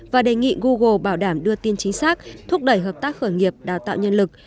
và đề nghị google bảo đảm đưa tin chính xác thúc đẩy hợp tác khởi nghiệp đào tạo nhân lực